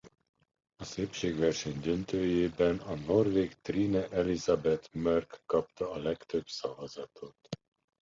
A szépségversenyen a döntőjében a norvég Trine Elisábeth Moerk kapta a legtöbb szavazatot.